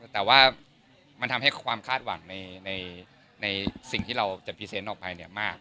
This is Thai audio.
แต่ว่ามันทำให้ความคาดหวังในสิ่งที่เราจะพรีเซนต์ออกไปมาก